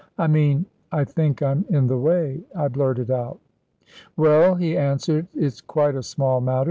"I mean, I think I'm in the way," I blurted out. "Well," he answered, "it's quite a small matter.